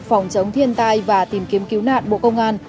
phòng chống thiên tai và tìm kiếm cứu nạn bộ công an